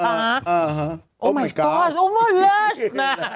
อื้อฮะโอ้มายก๊อดโอ้แม่เลือสนะ